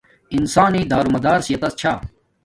انسان نݵ دارومادار صحتس چھی